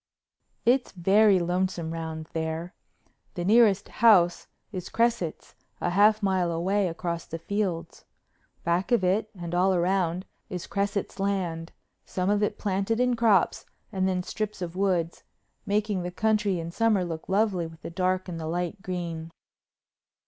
It's very lonesome round there. The nearest house is Cresset's, a half mile away across the fields. Back of it and all round is Cresset's land, some of it planted in crops and then strips of woods, making the country in summer look lovely with the dark and the light green.